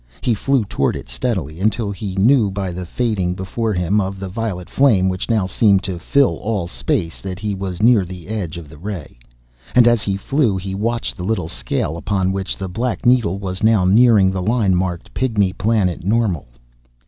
He flew toward it steadily, until he knew, by the fading before him of the violet flame which now seemed to fill all space, that he was near the edge of the ray. And as he flew, he watched the little scale, upon which the black needle was now nearing the line marked, "Pygmy Planet Normal."